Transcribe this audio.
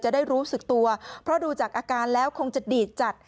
ได้รู้สึกตัวเพราะดูจากอาการแล้วคงจะดีดจัด